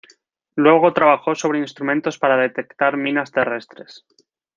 Luego trabajó sobre instrumentos para detectar minas terrestres.